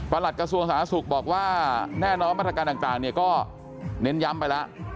หลัดกระทรวงสาธารณสุขบอกว่าแน่นอนมาตรการต่างก็เน้นย้ำไปแล้ว